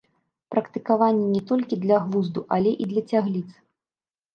Практыкаванні не толькі для глузду, але і для цягліц!